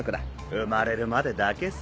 生まれるまでだけさ。